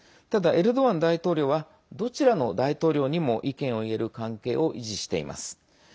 ただ、エルドアン大統領はどちらの大統領にも意見を言える関係を維持しています。